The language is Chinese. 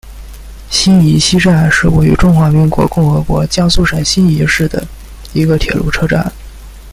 新沂西站是位于中华人民共和国江苏省新沂市的一个铁路车站。